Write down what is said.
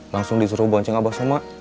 langsung disuruh bonceng abah sama